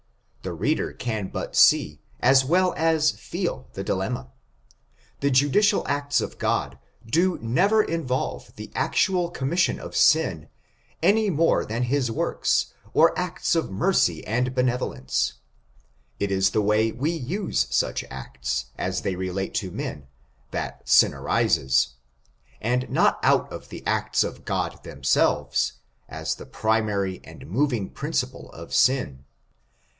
The reader can but see, as well as feel, the dilemma. The judicial acts of God do never involve the actual commission of sin any more than his works, or acts of mercy and benevolence — It is the way we use such acts, as they relate to men, that sin arises, and not out of the acts of God them selves, as the primary and moving principle of sin.